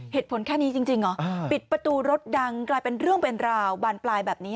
เหตุผลแค่นี้จริงเหรอปิดประตูรถดังกลายเป็นเรื่องเป็นราวบานปลายแบบนี้